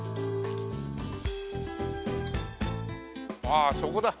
ああそこだ。